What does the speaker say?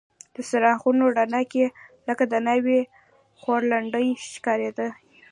د څراغونو رڼا کې لکه د ناوې خورلڼې ښکارېدې.